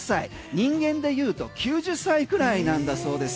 人間でいうと９０歳ぐらいなんだそうです。